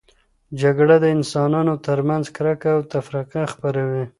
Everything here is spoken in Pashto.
جګړه د انسانانو ترمنځ کرکه او تفرقه خپروي.